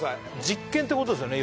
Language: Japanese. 実験ってことですよね？